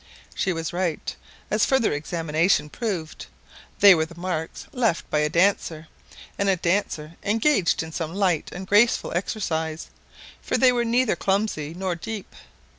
She was right, as further examination proved. They were the marks left by a dancer, and a dancer engaged in some light and graceful exercise, for they were neither clumsy nor deep.